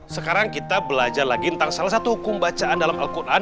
sekarang kita belajar lagi tentang salah satu hukum bacaan dalam al quran